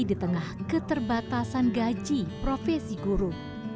di tengah keterbatasan gaji profesi guru